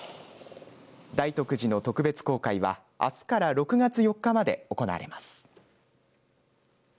大徳寺の特別公開はあすから６月４日まで行われます。